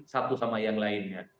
satu sama yang lainnya